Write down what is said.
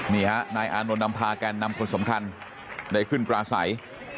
นี่ฮะนายอานนท์นำพาแกนนำคนสำคัญได้ขึ้นปลาใส